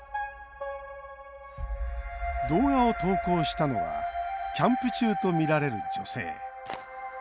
動画を投稿したのはキャンプ中とみられる女性。